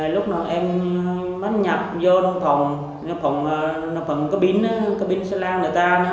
lúc nào em bắt nhập vô phòng phòng cái bín xà lan người ta